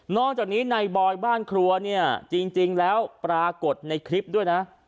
จากนี้ในบอยบ้านครัวเนี่ยจริงแล้วปรากฏในคลิปด้วยนะ